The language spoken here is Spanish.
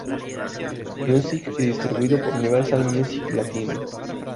Music, y distribuido por Universal Music Latino.